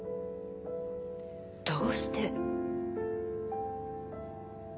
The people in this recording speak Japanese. どうして？